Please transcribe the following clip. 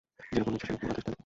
যে রকম ইচ্ছা সে রকম আদেশ দেন।